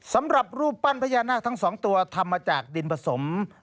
สำหรับรูปปั้นพญานาคทั้งสองตัวทำมาจากดินผสม